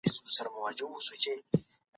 پانګه والي کي رقابت سته.